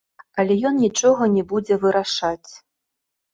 Але ён нічога не будзе вырашаць.